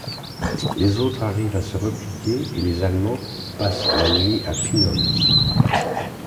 Les autres arrivent à se replier et les Allemands passent la nuit à Pinols.